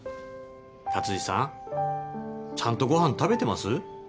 勝二さんちゃんとご飯食べてます？